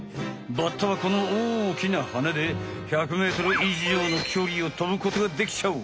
バッタはこの大きなハネで１００メートル以上のきょりを飛ぶことができちゃう。